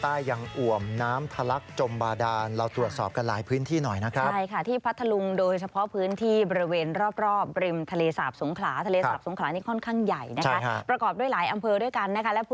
ใต้ยังอวมน้ำทะลักษณ์จมบาดาร